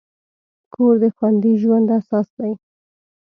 کور د خوندي ژوند اساس دی.